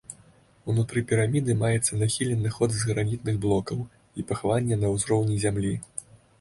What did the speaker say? Унутры піраміды маецца нахілены ход з гранітных блокаў і пахаванне на ўзроўні зямлі.